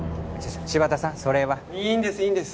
柴田さんそれは。いいんですいいんです。